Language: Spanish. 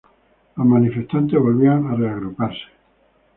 Los manifestantes volvían a reagruparse.